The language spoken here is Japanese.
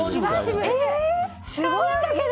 すごいんだけど！